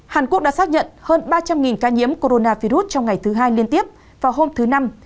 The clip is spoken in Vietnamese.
hàn quốc đã xác nhận hơn ba trăm linh ca nhiễm coronavirus trong ngày thứ hai liên tiếp vào hôm thứ năm